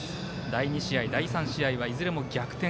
第２試合、第３試合はいずれも逆転